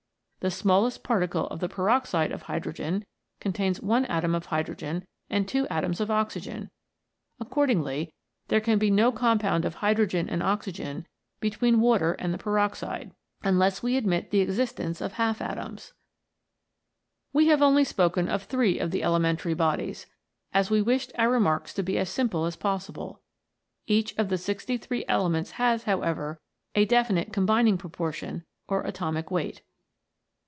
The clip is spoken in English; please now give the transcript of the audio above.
The smallest particle of the peroxide of hydrogen contains one atom of hydrogen and two atoms of oxygen ; accordingly, there can be no compound of hydrogen and oxygen between water and the A LITTLE BIT. 73 peroxide, unless we admit the existence of half atoms. We have only spoken of three of the ele mentary bodies, as we wished our remarks to be as simple as possible ; each of the sixty three elements has, however, a definite combining proportion or atomic weight.